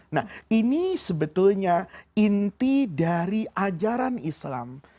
nah ini sebetulnya inti dari ajaran islam